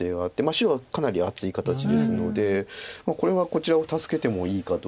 白はかなり厚い形ですのでこれはこちらを助けてもいいかどうか。